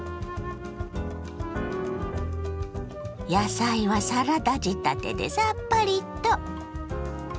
野菜はサラダ仕立てでさっぱりと。